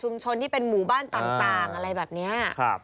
ที่เป็นหมู่บ้านต่างอะไรแบบนี้